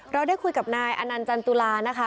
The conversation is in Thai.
ได้คุยกับนายอนันต์จันตุลานะคะ